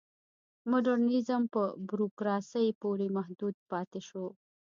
مډرنیزم په بوروکراسۍ پورې محدود پاتې شو.